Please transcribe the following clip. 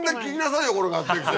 これ買ってきて。